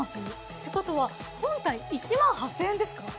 てことは本体１８，０００円ですか？